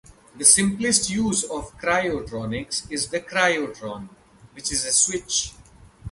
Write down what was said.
The simplest use of cryotronics is the cryotron, which is a switch.